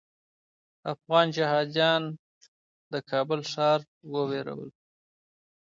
افغان جهاديان د کابل ښار ویرول.